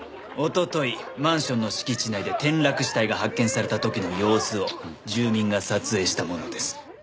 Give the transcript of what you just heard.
一昨日マンションの敷地内で転落死体が発見された時の様子を住民が撮影したものです。